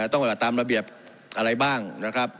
ต้องไปตามระเบียบอะไรบ้างนะครับ